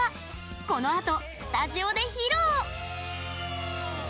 このあとスタジオで披露！